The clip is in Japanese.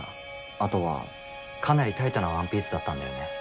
あとはかなりタイトなワンピースだったんだよね。